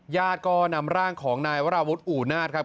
ญาติก็นำร่างของนายวราวุฒิอู่นาศครับ